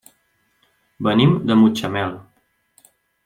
Venim de Mutxamel.